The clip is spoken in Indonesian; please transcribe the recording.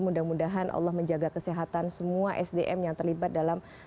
mudah mudahan allah menjaga kesehatan semua sdm yang terlibat dalam